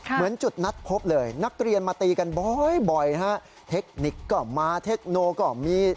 เหมือนจุดนัดพบเลยนักเรียนมาตีกันบ่อยฮะเทคนิคก็มาเทคโนก็มี